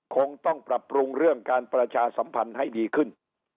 คงต้องปรับปรุงเรื่องการประชาสัมพันธ์ให้ดีขึ้น